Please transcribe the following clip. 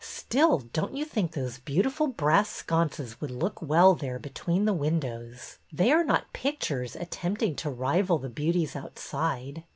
Still, don't you think those beautiful brass sconces would look well there between the windows? They are not pic tures attempting to rival the beauties outside.